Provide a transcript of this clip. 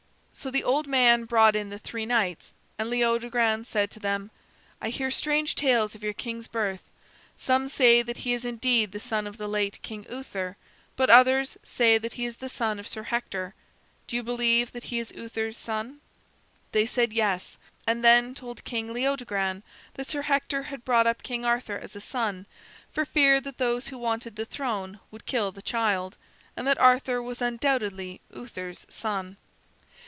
So the old man brought in the three knights, and Leodogran said to them: "I hear strange tales of your king's birth. Some say that he is indeed the son of the late King Uther, but others say that he is the son of Sir Hector. Do you believe that he is Uther's son?" They said "Yes," and then told King Leodogran that Sir Hector had brought up King Arthur as his son, for fear that those who wanted the throne would kill the child; and that Arthur was undoubtedly Uther's son.